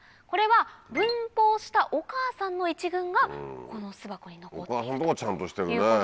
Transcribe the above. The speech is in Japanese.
これは分蜂したお母さんの一群がこの巣箱に残っている。